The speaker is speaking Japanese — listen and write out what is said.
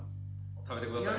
食べてください。